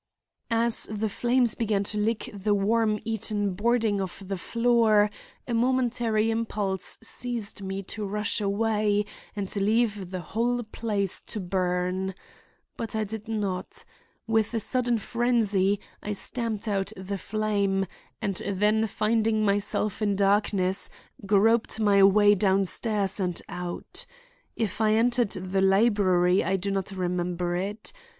As the flames began to lick the worm eaten boarding of the floor a momentary impulse seized me to rush away and leave the whole place to burn. But I did not. With a sudden frenzy, I stamped out the flame, and then finding myself in darkness, groped my way downstairs and out. If I entered the library I do not remember it.